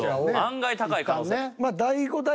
案外高い可能性ある。